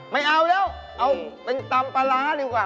ไม่เอาแล้วเอาเป็นตำปลาร้าดีกว่า